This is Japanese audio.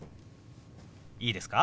いいですか？